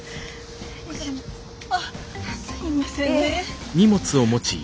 あっすいませんね。